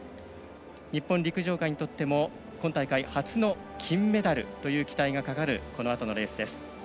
日本陸上界にとっても今大会初の金メダルという期待がかかるこのあとのレースです。